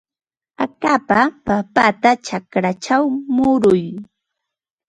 Akapa papata chakrachaw muruy.